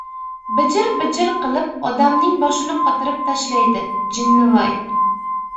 bijir-bijir qilib odamning boshini qotirib tashlaydi, jinnivoy!